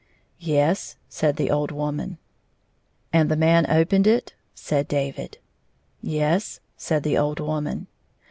" Yes," said the old woman. I20 '* And the man opened it 1 " said David. " Yes," said the old woman.